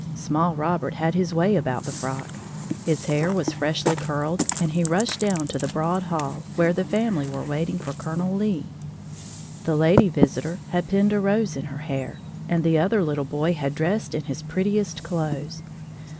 Small Robert had his way about the frock. His hair was freshly curled, and he rushed down to the broad hall, where the family were waiting for Colonel Lee. The lady visitor had pinned a rose in her hair, and the other little boy had been dressed in his prettiest clothes.